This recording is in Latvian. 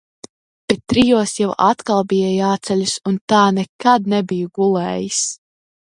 Bet trijos jau atkal bija jāceļas un tā nekad nebiju izgulējies.